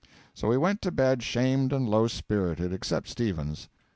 So we went to bed shamed and low spirited; except Stevens.